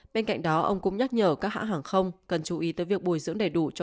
bên cạnh đó ông cũng nhắc nhở các hãng hàng không cần chú ý tới việc bồi dưỡng đầy đủ